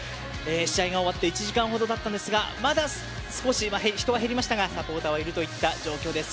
試合が終わって１時間ほどたったんですがまだ少し、人は減りましたがサポーターはいるといった状況です。